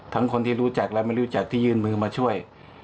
คนที่รู้จักและไม่รู้จักที่ยื่นมือมาช่วย